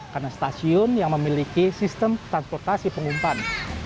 karena stasiun yang memiliki sistem transportasi pengumpan